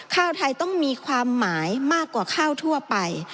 ข้าวไทยต้องมีความหมายมากกว่าข้าวทั่วไป